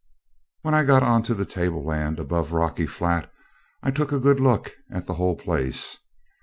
When I got on to the tableland above Rocky Flat I took a good look at the whole place.